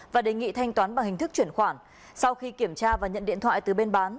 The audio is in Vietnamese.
và đề nghị thanh toán bằng hình thức chuyển khoản sau khi kiểm tra và nhận điện thoại từ bên bán